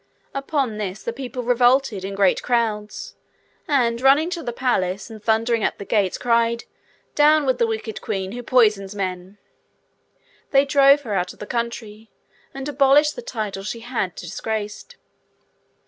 Upon this, the people revolted, in great crowds; and running to the palace, and thundering at the gates, cried, 'Down with the wicked queen, who poisons men!' They drove her out of the country, and abolished the title she had disgraced.